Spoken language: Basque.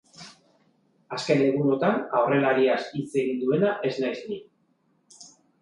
Azken egunotan aurrelariaz hitz egiten duena ez naiz ni.